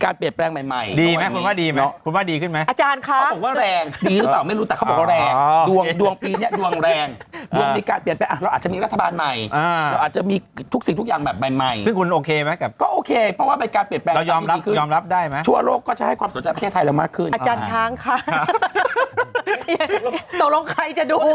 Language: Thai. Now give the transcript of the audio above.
ถ้าจะมีการเช็คบินอะไร